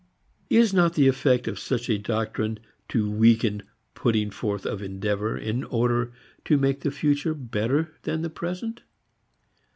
Is not the effect of such a doctrine to weaken putting forth of endeavor in order to make the future better than the present?